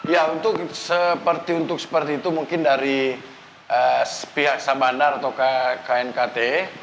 ya untuk seperti itu mungkin dari pihak samandar atau knkt